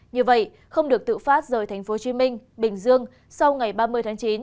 như vậy không được tự phát rời thành phố hồ chí minh bình dương sau ngày ba mươi tháng chín